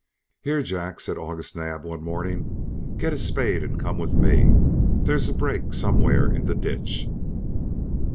"Here, Jack," said August Naab, one morning, "get a spade and come with me. There's a break somewhere in the ditch."